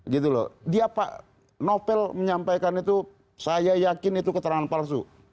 gitu loh dia pak novel menyampaikan itu saya yakin itu keterangan palsu